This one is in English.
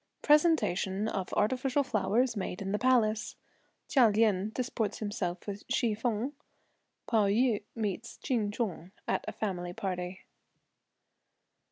Presentation of artificial flowers made in the Palace. Chia Lien disports himself with Hsi feng. Pao yü meets Ch'in Chung at a family party.